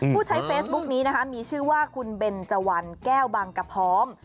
ผู้ใช้เฟซบุ๊กนี้นะคะมีชื่อว่าคุณเบนเจวันแก้วบางกระพร้อม